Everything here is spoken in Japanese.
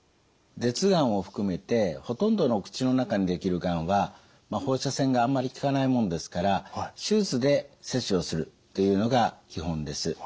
舌がんを含めてほとんどの口の中にできるがんは放射線があんまり効かないもんですから手術で切除するというのが基本です。